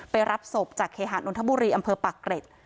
รับศพจากเคหะนนทบุรีอำเภอปากเกร็ด